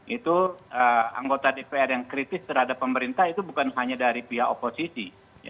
itu anggota dpr yang kritis terhadap pemerintah itu bukan hanya dari pihak oposisi